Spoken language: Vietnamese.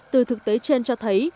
từ thực tế trên cho thấy